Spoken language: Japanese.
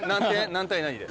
何対何で？